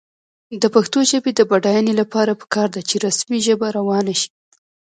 د پښتو ژبې د بډاینې لپاره پکار ده چې رسمي ژبه روانه شي.